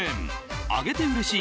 あげてうれしい！